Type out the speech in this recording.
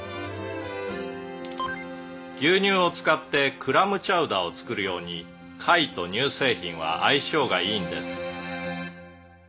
「牛乳を使ってクラムチャウダーを作るように貝と乳製品は相性がいいんです」